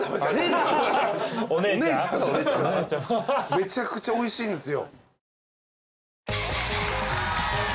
めちゃくちゃおいしいんですよ。